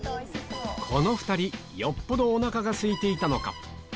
この２人よっぽどおなかがすいていたのか？